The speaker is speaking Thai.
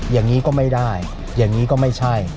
อย่างนี้ก็ไม่ได้อย่างนี้ก็ไม่ใช่